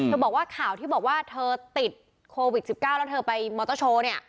บอกว่าข่าวที่บอกว่าเธอติดโควิด๑๙แล้วเธอไปมอเตอร์โชว์เนี่ย